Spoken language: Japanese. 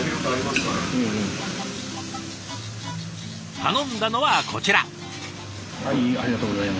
頼んだのはこちら。